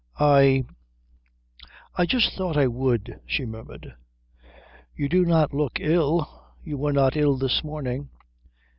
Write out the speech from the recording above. "I I just thought I would," she murmured. "You do not look ill. You were not ill this morning."